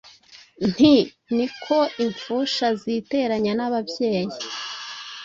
Nti: ni ko impfusha ziteranya n'ababyeyi.